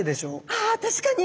ああ確かに。